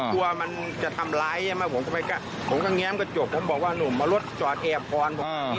กลัวมันจะทำร้ายผมก็แง้มกระจกผมบอกว่าหนูมารถจอดแอบพร